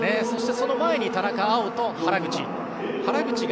そして、その前に田中碧と原口。